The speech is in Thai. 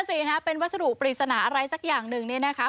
นั่นละสิเป็นวัสดุปริศนาอะไรสักอย่างหนึ่งนี่นะครับ